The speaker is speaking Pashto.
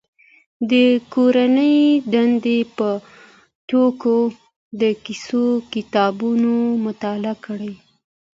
د کورنۍ دندې په توګه د کیسو کتابونه مطالعه کړي.